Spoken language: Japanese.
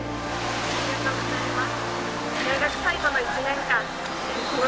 ありがとうございます。